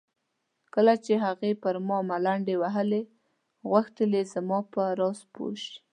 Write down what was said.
کله چې هغې پر ما ملنډې وهلې غوښتل یې زما په راز پوه شي.